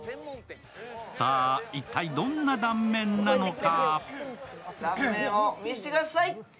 さぁ、一体どんな断面なのか？